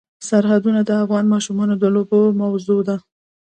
سرحدونه د افغان ماشومانو د لوبو موضوع ده.